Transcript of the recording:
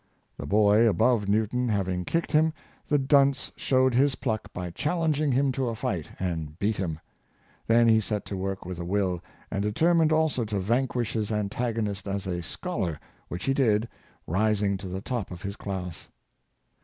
The boy above Newton having kicked him, the dunce showed his pluck by challenging him to a fight, and beat him. Then he set to work with a will, and determined also to vanquish his antago nist as a scholar, which he did, rising to the top of his class.